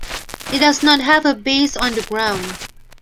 It does not have a base on the ground.